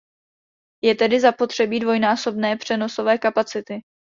Je tedy zapotřebí dvojnásobné přenosové kapacity.